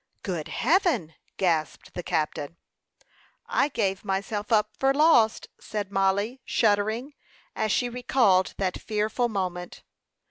"Good Heaven!" gasped the captain. "I gave myself up for lost," said Mollie, shuddering, as she recalled that fearful moment.